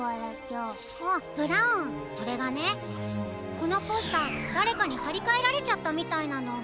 このポスターだれかにはりかえられちゃったみたいなの。